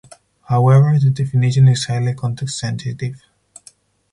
However, the definition is highly context-sensitive.